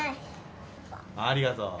ありがとう。